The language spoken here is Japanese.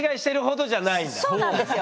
そうなんですよ。